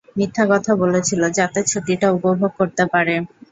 মিথ্যা কথা বলেছিল, যাতে ছুটিটা উপভোগ করতে পারে।